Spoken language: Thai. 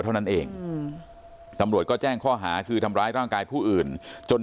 เท่านั้นเองตำรวจก็แจ้งข้อหาคือทำร้ายร่างกายผู้อื่นจน